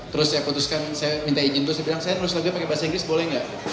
terus saya putuskan saya minta izin terus saya bilang saya nulus lagunya pakai bahasa inggris boleh nggak